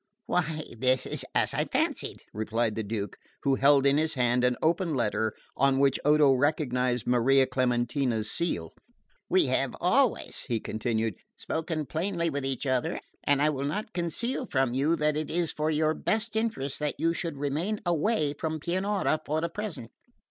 "Why, this is as I fancied," replied the Duke, who held in his hand an open letter on which Odo recognised Maria Clementina's seal. "We have always," he continued, "spoken plainly with each other, and I will not conceal from you that it is for your best interests that you should remain away from Pianura for the present.